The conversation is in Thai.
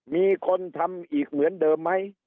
มีคนทำอีกเหมือนเดิมไหม